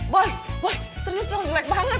boy boy serius dong jelek banget